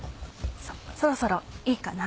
そろそろいいかな。